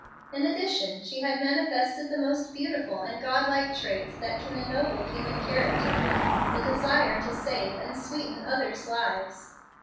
In addition, she had manifested the most beautiful and God like trait that can ennoble human character the desire to save and sweeten others' lives.